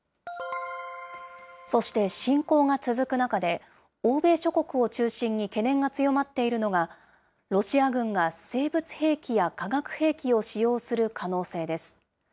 そして侵攻が続く中で、欧米諸国を中心に懸念が強まっているのが、ロシア軍が生物兵器や化学兵器を使用する可能性です。